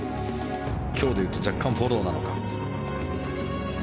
今日で言うと若干フォローなのか。